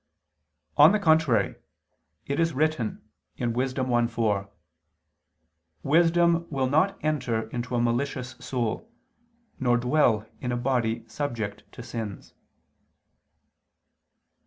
On the contrary, It is written (Wis. 1:4): "Wisdom will not enter into a malicious soul, nor dwell in a body subject to sins."